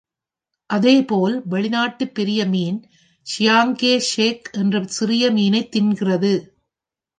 அதேபோல் வெளிநாட்டு பெரிய மீன் சியாங்கே ஷேக் என்ற சிறிய மீனைத் தின்கிறது.